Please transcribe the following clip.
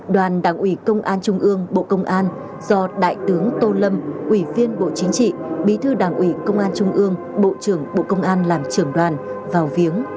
đoàn đảng ủy công an trung ương bộ công an do đại tướng tô lâm ủy viên bộ chính trị bí thư đảng ủy công an trung ương bộ trưởng bộ công an làm trưởng đoàn vào viếng